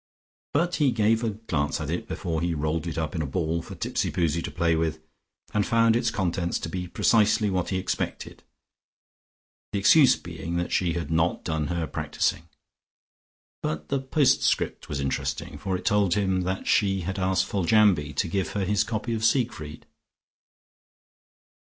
But he gave a glance at it before he rolled it up in a ball for Tipsipoozie to play with, and found its contents to be precisely what he expected, the excuse being that she had not done her practising. But the post script was interesting, for it told him that she had asked Foljambe to give her his copy of Siegfried....